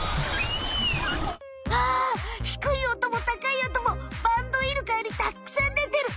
あ低いおとも高いおともバンドウイルカよりたっくさんでてる！